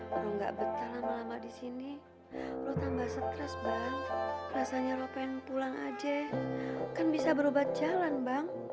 kalau nggak betah lama lama di sini baru tambah stres bang rasanya lo pengen pulang aja kan bisa berobat jalan bang